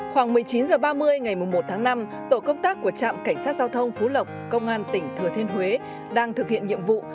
khoảng một mươi chín h ba mươi ngày một tháng năm tổ công tác của trạm cảnh sát giao thông phú lộc công an tỉnh thừa thiên huế đang thực hiện nhiệm vụ